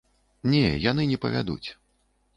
Не, яны не павядуць.